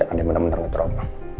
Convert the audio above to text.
akan dimenang menang teruk